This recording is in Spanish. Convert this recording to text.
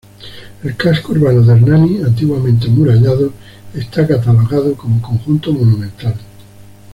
El Casco Urbano de Hernani, antiguamente amurallado, está catalogado como Conjunto Monumental.